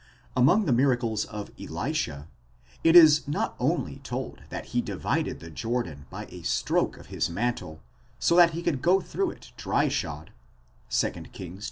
Among the miracles of Elisha, it is not only told that he divided the Jordan by a stroke of his mantle, so that he could go through it dry shod (2 Kings il.